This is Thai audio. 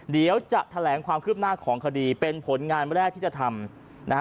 เดี๋ยวจะแถลงความคืบหน้าของคดีเป็นผลงานแรกที่จะทำนะฮะ